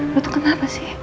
lu tuh kenapa sih